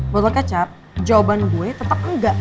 botol kecap jawaban gue tetap enggak